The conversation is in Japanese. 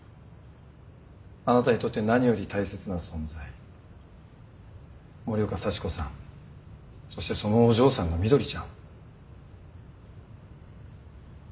あなたにとって何より大切な存在森岡幸子さんそしてそのお嬢さんの翠ちゃん。